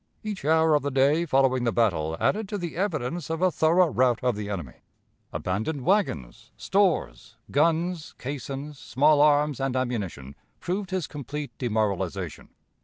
Each hour of the day following the battle added to the evidence of a thorough rout of the enemy. Abandoned wagons, stores, guns, caissons, small arms, and ammunition, proved his complete demoralization.